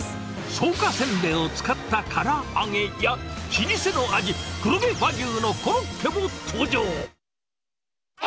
草加せんべいを使ったから揚げや、老舗の味、黒毛和牛のコロッケも登場。